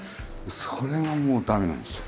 それがもう駄目なんですよ。